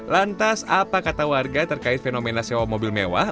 lantas apa kata warga terkait fenomena sewa mobil mewah